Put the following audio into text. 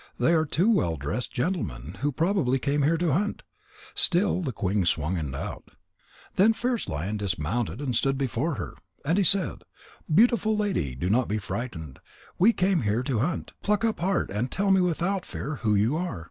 They are two well dressed gentlemen, who probably came here to hunt." Still the queen swung in doubt. Then Fierce lion dismounted and stood before her. And he said: "Beautiful lady, do not be frightened. We came here to hunt. Pluck up heart and tell me without fear who you are.